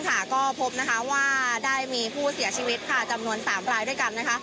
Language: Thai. ก็พบว่าได้มีผู้เสียชีวิตจำนวน๓รายด้วยกัน